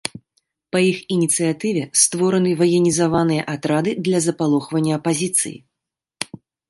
Па іх ініцыятыве створаны ваенізаваныя атрады для запалохвання апазіцыі.